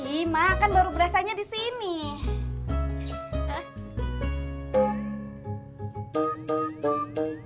ih mak kan baru berasanya di rumah lo aja sih tadi